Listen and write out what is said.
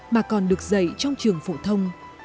mà còn được dạy trong trường phổ thông